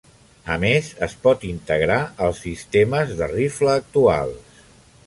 A més, es pot integrar als sistemes de rifle actuals.